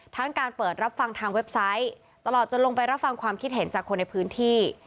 การเปิดรับฟังทางเว็บไซต์ตลอดจนลงไปรับฟังความคิดเห็นจากคนในพื้นที่